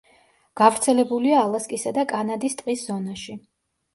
გავრცელებულია ალასკისა და კანადის ტყის ზონაში.